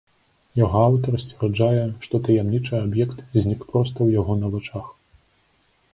Яго аўтар сцвярджае, што таямнічы аб'ект знік проста ў яго на вачах.